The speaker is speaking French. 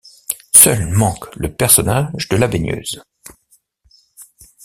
Seul manque le personnage de la baigneuse.